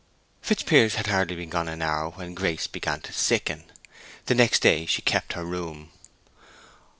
Fitzpiers had hardly been gone an hour when Grace began to sicken. The next day she kept her room.